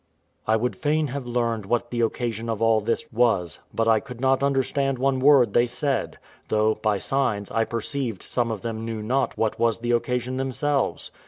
I would fain have learned what the occasion of all this was; but I could not understand one word they said; though, by signs, I perceived some of them knew not what was the occasion themselves.